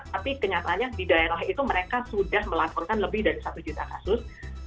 tapi kenyataannya di daerah itu mereka sudah melaporkan lebih dari satu juta kasus